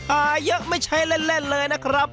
หาเยอะไม่ใช่เล่นเลยนะครับ